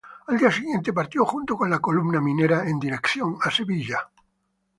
Al día siguiente partió junto con la Columna minera en dirección a Sevilla.